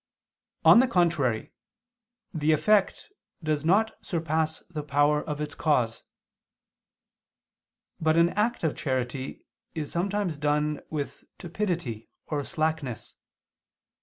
On the contrary, The effect does not surpass the power of its cause. But an act of charity is sometimes done with tepidity or slackness.